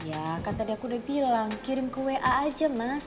ya kan tadi aku udah bilang kirim ke wa aja mas